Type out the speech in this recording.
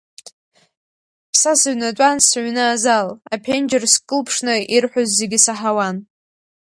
Са сыҩнатәан сыҩны азал, аԥенџьыр скылԥшны ирҳәоз зегьы саҳауан.